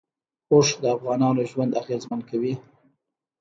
اوښ د افغانانو ژوند اغېزمن کوي.